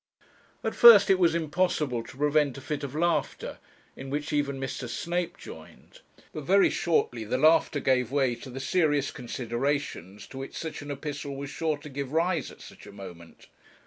At first it was impossible to prevent a fit of laughter, in which even Mr. Snape joined; but very shortly the laughter gave way to the serious considerations to which such an epistle was sure to give rise at such a moment.